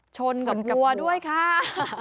ชนกับกลัวด้วยค่ะ